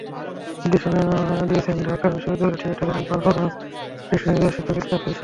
নির্দেশনা দিয়েছেন ঢাকা বিশ্ববিদ্যালয়ের থিয়েটার অ্যান্ড পারফরম্যান্স স্টাডিজ বিভাগের শিক্ষক ইসরাফিল শাহীন।